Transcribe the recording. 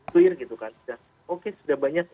clear gitu kan dan oke sudah banyak